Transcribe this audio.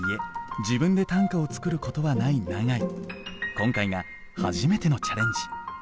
今回が初めてのチャレンジ。